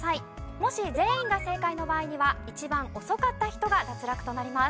もし全員が正解の場合には一番遅かった人が脱落となります。